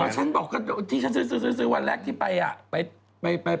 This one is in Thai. อ๋อฉันบอกก็ที่ฉันซื้อวันแรกที่ไป